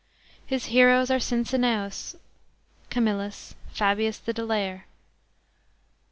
His heroes are Cincinna us, Camillas, Fabius the Delayer.